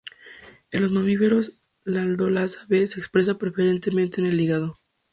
En los mamíferos, la aldolasa B se expresa preferentemente en el hígado.